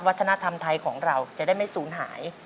วัฒนธรรมไทยของเราจะได้ไม่สูญหาย